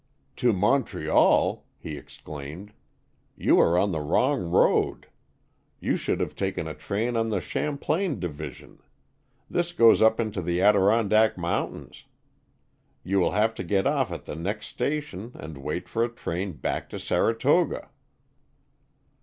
'To Montreal!' he ex claimed, 'you are on the wrong road. 31 Stories from the Adirondacks. You should have taken a train on the Champlain division. This goes up into the Adirondack Mountains. You will have to get off at the next station and wait for a train back to Saratoga.